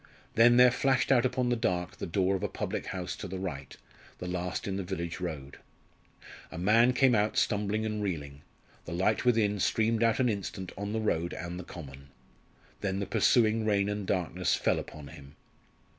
Then there flashed out upon the dark the door of a public house to the right, the last in the village road. A man came out stumbling and reeling; the light within streamed out an instant on the road and the common; then the pursuing rain and darkness fell upon him.